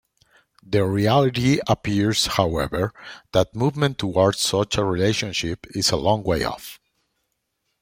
The reality appears however that movement towards such a relationship is a long way-off.